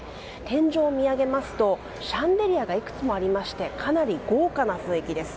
天井を見上げますとシャンデリアがいくつもありましてかなり豪華な雰囲気です。